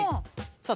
さあ